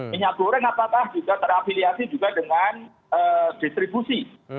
minyak goreng apakah juga terafiliasi juga dengan distribusi